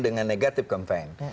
dengan negatif campaign